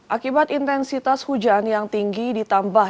akibat intensitas hujan yang tinggi ditambah